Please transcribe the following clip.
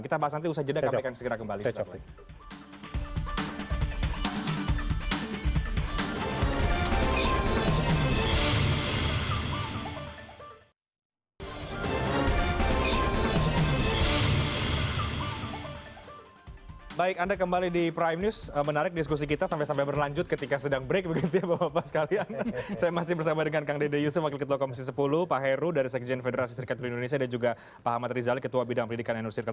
kita bahas nanti usaha jeda kami akan segera kembali